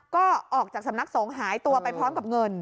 ก็ออกจากสำนักสงฆ์หายตัวไปพร้อมกับเงิน